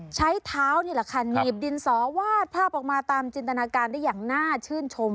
ใช้เท้านี่แหละค่ะหนีบดินสอวาดภาพออกมาตามจินตนาการได้อย่างน่าชื่นชม